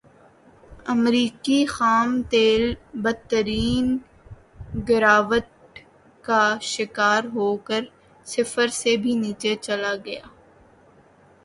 امریکی خام تیل بدترین گراوٹ کا شکار ہوکر صفر سے بھی نیچے چلا گیا